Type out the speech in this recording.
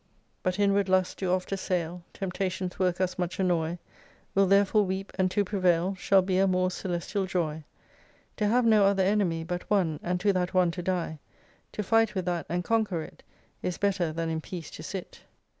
'95 3 But inward lusts do oft assail, Temptations work us much annoy : We'll therefore weep, and to prevail Shall be a more celestial joy. To have no other enemy But one ; and to that one to die : To fight with that and conquer it. Is better than in peace to sit.